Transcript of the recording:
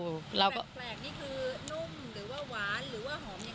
เราก็แปลกนี่คือนุ่มหรือว่าหวานหรือว่าหอมยังไง